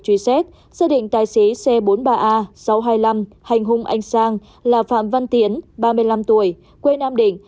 truy xét xác định tài xế c bốn mươi ba a sáu trăm hai mươi năm hành hung anh sang là phạm văn tiến ba mươi năm tuổi quê nam định